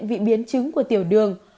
vì biến chứng của tiểu đường